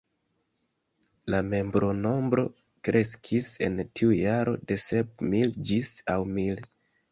La membronombro kreskis en tiu jaro de sep mil ĝis naŭ mil.